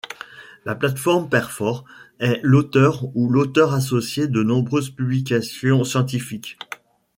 La plateforme Perfos est l'auteur ou l'auteur associé de nombreuses publications scientifiques.